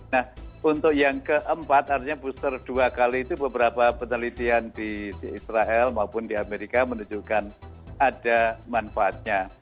nah untuk yang keempat artinya booster dua kali itu beberapa penelitian di israel maupun di amerika menunjukkan ada manfaatnya